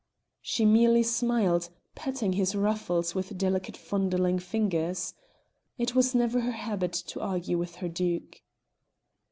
She merely smiled, patting his ruffles with delicate fondling fingers. It was never her habit to argue with her Duke.